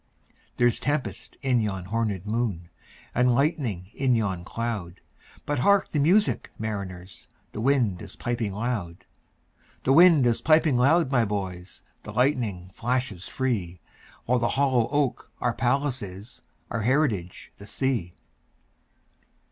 There's tempest in yon hornèd moon, And lightning in yon cloud:But hark the music, mariners! The wind is piping loud; The wind is piping loud, my boys, The lightning flashes free—While the hollow oak our palace is, Our heritage the sea.